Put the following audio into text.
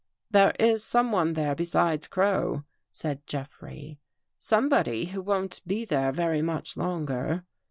" There is someone there besides Crow," said Jeffrey. " Somebody who won't be there very much longer."